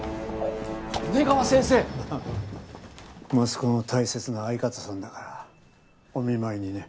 息子の大切な相方さんだからお見舞いにね。